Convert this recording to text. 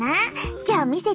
じゃあ見せて。